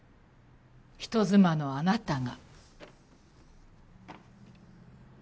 人妻のあなたが。